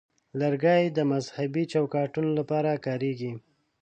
لرګی د مذهبي چوکاټونو لپاره کارېږي.